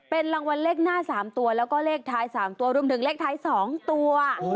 เป็นรางวัลเลขหน้า๓ตัวแล้วก็เลขท้าย๓ตัวรวมถึงเลขท้าย๒ตัว